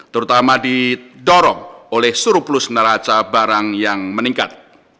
terutama didorong oleh surplus neraca barang yang meningkat